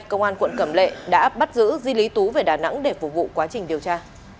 công an quận cẩm lệ đã bắt giữ di lý tú về đà nẵng để phục vụ quá trình điều tra